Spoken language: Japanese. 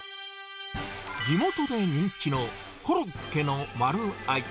地元で人気のコロッケの丸愛。